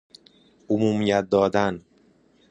عمومیت دادن